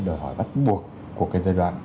đòi hỏi bắt buộc của cái giai đoạn